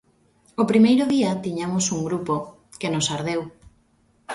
O primeiro día tiñamos un grupo, que nos ardeu.